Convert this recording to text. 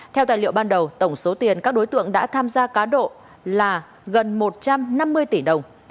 theo tài liệu ban đầu tổng số tiền các đối tượng đã tham gia cá độ là gần một trăm năm mươi tỷ đồng